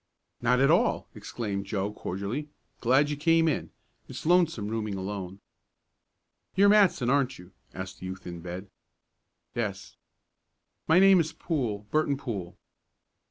"Not at all!" exclaimed Joe cordially. "Glad you came in. It's lonesome rooming alone." "You're Matson; aren't you?" asked the youth in bed. "Yes." "My name is Poole Burton Poole."